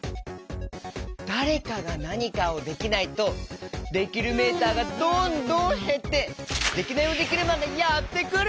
だれかがなにかをできないとできるメーターがどんどんへってデキナイヲデキルマンがやってくる！